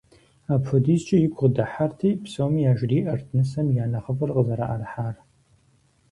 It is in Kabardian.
АпхуэдизкӀэ игу къыдыхьэрти, псоми яжриӀэрт нысэм я нэхъыфӀыр къызэрыӀэрыхьар.